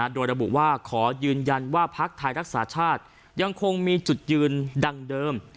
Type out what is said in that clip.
โดยระบุว่าขอยืนยันว่าภักดิ์ไทยรักษาชาติยังคงมีจุดยืนดังเดิม